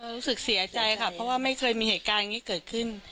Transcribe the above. รู้สึกเสียใจค่ะเพราะว่าไม่เคยมีเหตุการณ์อย่างนี้เกิดขึ้น